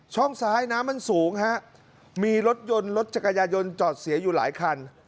ช่องซ้ายน้ำมันสูงฮะมีรถยนต์รถจักรยายนจอดเสียอยู่หลายคัน